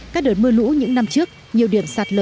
các đợt mưa lũ những năm trước nhiều điểm sạt lở